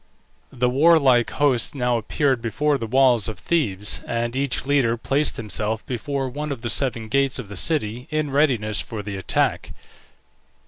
The warlike host now appeared before the walls of Thebes, and each leader placed himself before one of the seven gates of the city in readiness for the attack.